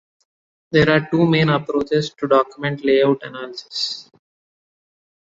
There are two main approaches to document layout analysis.